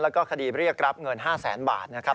แล้วก็คดีเรียกรับเงิน๕แสนบาทนะครับ